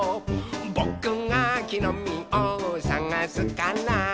「ぼくがきのみをさがすから」